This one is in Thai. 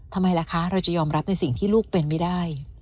ทำไมล่ะคะเราจะยอมรับในสิ่งที่ลูกเป็นไม่ได้